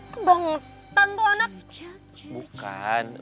kebangutan kok anak